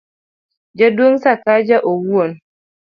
jaduong' Sakaja owuon